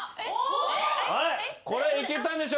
これいけたんでしょうか？